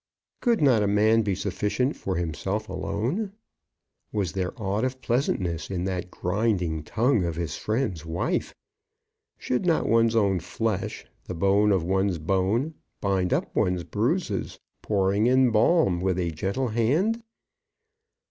Could not a man be sufficient for himself alone? Was there aught of pleasantness in that grinding tongue of his friend's wife? Should not one's own flesh, the bone of one's bone, bind up one's bruises, pouring in balm with a gentle hand?